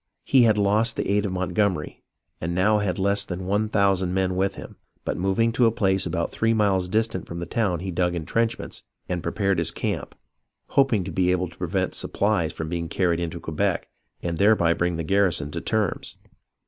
He had lost the aid of Montgomery, and now had less than one thousand men with him, but moving to a place about three miles distant from the town he dug intrenchments and prepared his camp, hoping to be able to prevent supplies from being car ried into Quebec, and thereby bring the garrison to terms.